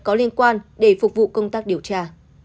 có liên quan để phục vụ công tác điều tra